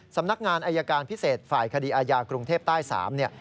สำนักงานอายการพิเศษฝ่ายคดีอาญากรุงเทพใต้๓เนี่ย